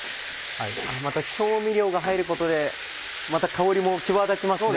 調味料が入ることでまた香りも際立ちますね。